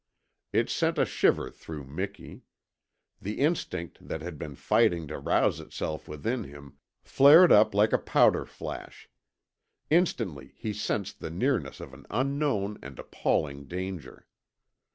It sent a shiver through Miki. The instinct that had been fighting to rouse itself within him flared up like a powder flash. Instantly he sensed the nearness of an unknown and appalling danger.